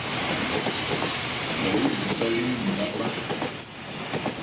Yayó bhu sálê nkɛ bhâ bhá.